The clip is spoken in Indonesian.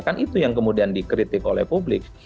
kan itu yang kemudian dikritik oleh publik